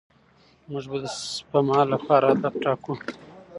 موږ به د سپما لپاره هدف ټاکو.